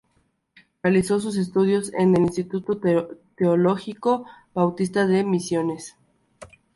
Realizó sus estudios en el Instituto Teológico Bautista de Misiones.